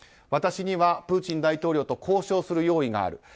私にはプーチン大統領と交渉する用意がある。